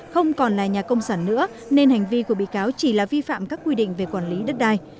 không còn là nhà công sản nữa nên hành vi của bị cáo chỉ là vi phạm các quy định về quản lý đất đai